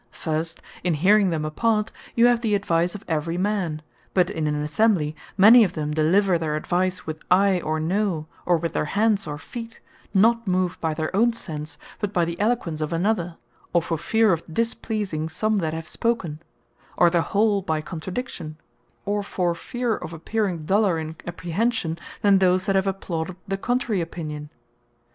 First, in hearing them apart, you have the advice of every man; but in an Assembly may of them deliver their advise with I, or No, or with their hands, or feet, not moved by their own sense, but by the eloquence of another, or for feare of displeasing some that have spoken, or the whole Assembly, by contradiction; or for feare of appearing duller in apprehension, than those that have applauded the contrary opinion.